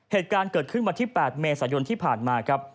เหตุการณ์เกิดขึ้นวันที่๘เมษายนที่ผ่านมาครับ